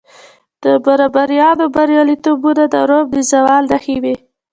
د بربریانو بریالیتوبونه د روم د زوال نښې وې